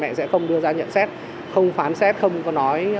mẹ sẽ không đưa ra nhận xét không phán xét không có nói gì hết